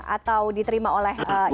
atau diterima oleh ipw